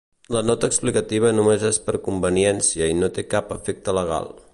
La nota explicativa només és per conveniència i no té cap efecte legal.